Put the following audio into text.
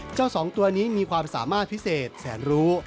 สองตัวนี้มีความสามารถพิเศษแสนรู้